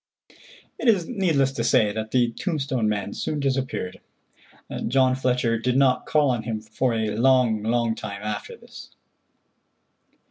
It is needless to say that the tombstone man soon disappeared. John Fletcher did not call on him for a long, long time after this.